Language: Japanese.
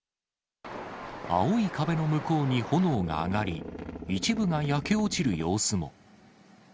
青い壁の向こうに炎が上がり、一部が焼け落ちる様子も。